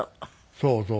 そうそう。